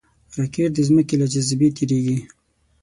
راکټ د ځمکې له جاذبې تېریږي